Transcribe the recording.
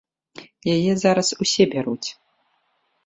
Яе зараз усе бяруць.